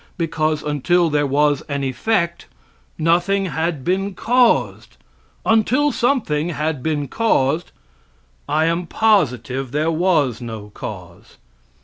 Because until there was an effect, nothing had been caused; until something had been caused, I am positive there was no cause.